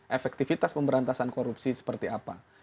efektivitas pemberantasan korupsi seperti apa